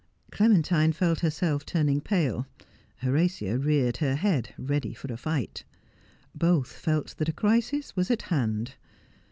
Clementine felt herself turning pale. Horatia reared her head ready for a fight. Both felt that a crisis was at hand.